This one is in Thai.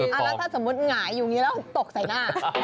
แล้วถ้าสมมุติหงายอยู่อย่างนี้แล้วตกใส่หน้า